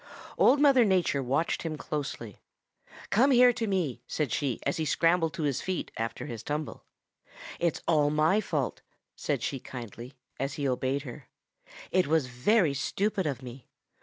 Old Mother Nature watched him closely. 'Come here to me,' said she as he scrambled to his feet after his tumble. 'It's all my fault,' said she kindly, as he obeyed her. 'It was very stupid of me.